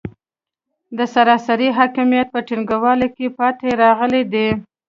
د سراسري حاکمیت په ټینګولو کې پاتې راغلي دي.